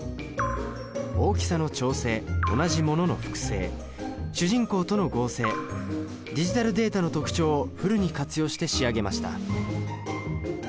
大きさの調整同じものの複製主人公との合成ディジタルデータの特徴をフルに活用して仕上げました。